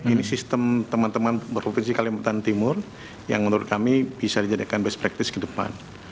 ini sistem teman teman provinsi kalimantan timur yang menurut kami bisa dijadikan best practice ke depan